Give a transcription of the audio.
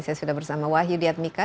saya sudah bersama wahyu diadmika